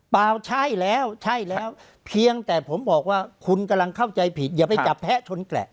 เปล่าใช่แล้วใช่แล้วเพียงแต่ผมบอกว่าคุณกำลังเข้าใจผิดอย่าไปจับแพ้ชนแกละ